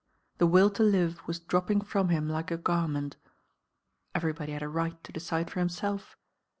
The will to live V as dropping from him like a garment. Everybody had a right to decide for himself.